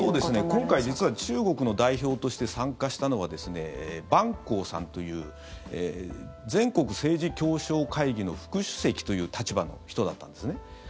今回、実は中国の代表として参加したのはバン・コウさんという全国政治協商会議の副主席という立場の人だったんですね。